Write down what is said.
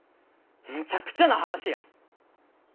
むちゃくちゃな話や。